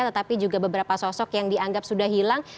tetapi juga beberapa sosok yang dianggap sudah hilang